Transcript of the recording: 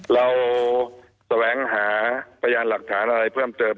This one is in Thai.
แสวงหาพยานหลักฐานอะไรเพิ่มเติม